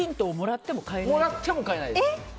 もらっても変えないです。